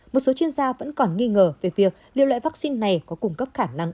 một số chuyên gia vẫn còn nghi ngờ về việc liệu loại vaccine này có cung cấp khả năng cao